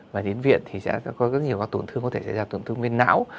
và đến viện thì sẽ có rất nhiều tổn thương có thể sẽ ra tổn thương với não